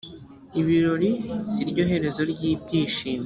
ibirori siryo herezo ryibyishimo.